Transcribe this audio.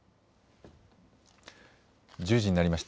１０時になりました。